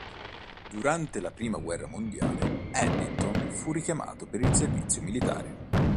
Durante la Prima guerra mondiale Eddington fu richiamato per il servizio militare.